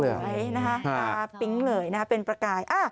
ตาปิ๊งเหล่าเป็นประกาย